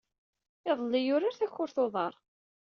Iḍelli, yurar takurt n uḍar.